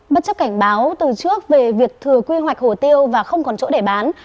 bất chấp cảnh báo từ trước về việc thừa quy hoạch hồ tiêu và không còn chỗ để bán